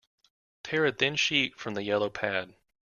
Tear a thin sheet from the yellow pad.